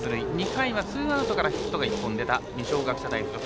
２回が、ツーアウトからヒットが１本出た二松学舎大付属。